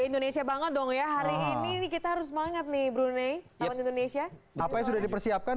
indonesia banget dong ya hari ini kita harus semangat nih brunei indonesia sudah dipersiapkan